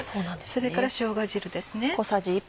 それからしょうが汁ですね。